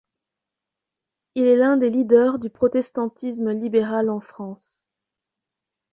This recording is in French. Il est l'un des leaders du protestantisme libéral en France.